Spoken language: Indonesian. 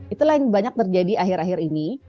itulah yang banyak terjadi akhir akhir ini